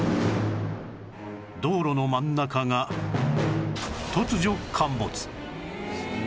道路の真ん中が突如陥没